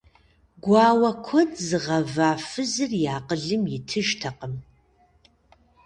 Гуауэ куэд зыгъэва фызыр и акъылым итыжтэкъым.